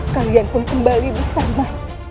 kalian pun kembali bersama